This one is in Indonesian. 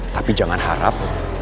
tapi jangan harap